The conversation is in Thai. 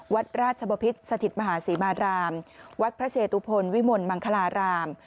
วัดราชบพิษสถิตมหาศรีมารามวัดพระเชตุพลวิมลมังคลาราม